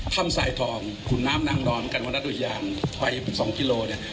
ถ้ำไส่ทองคุณน้ำนั่งนอนกับนัดดูยางไฟ๒กิโลเนี่ย